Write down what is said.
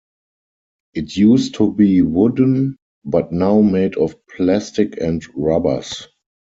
It used to be wooden but now made of plastic and rubbers.